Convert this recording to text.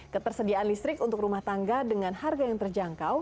ketersediaan listrik untuk rumah tangga dengan harga yang terjangkau